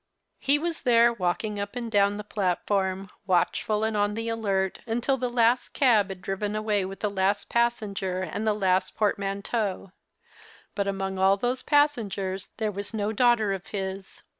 He was there, walking up and down the plattbrm, watchful and on the alert, until the last cab had driven away with the last passenger and the last portmanteau ; but among all those passengers there was no daughter of his.